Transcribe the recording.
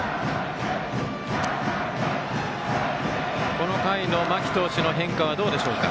この回の間木投手の変化はどうでしょうか？